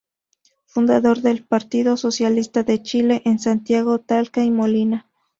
Fundador del Partido Socialista de Chile en Santiago, Talca y Molina.